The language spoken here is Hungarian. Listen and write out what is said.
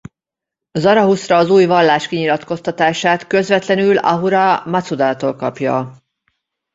Zarathustra az új vallás kinyilatkoztatását közvetlenül Ahura Mazdától kapja.